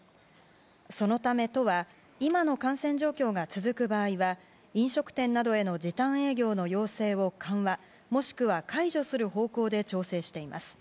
そのため、都は今の感染状況が続く場合は飲食店などへの時短営業の要請を緩和、もしくは解除する方向で調整しています。